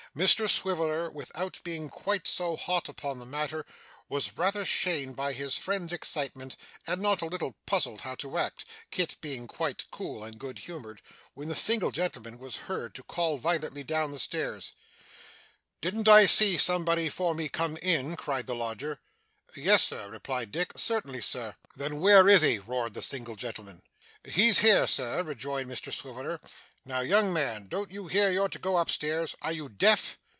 Mr Swiveller, without being quite so hot upon the matter, was rather shamed by his friend's excitement, and not a little puzzled how to act (Kit being quite cool and good humoured), when the single gentleman was heard to call violently down the stairs. 'Didn't I see somebody for me, come in?' cried the lodger. 'Yes, Sir,' replied Dick. 'Certainly, Sir.' 'Then where is he?' roared the single gentleman. 'He's here, sir,' rejoined Mr Swiveller. 'Now young man, don't you hear you're to go up stairs? Are you deaf?